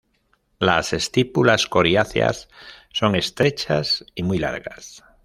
Las estípulas coriáceas son estrechas y muy largas.